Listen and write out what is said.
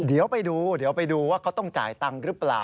เดี๋ยวไปดูเดี๋ยวไปดูว่าเขาต้องจ่ายตังค์หรือเปล่า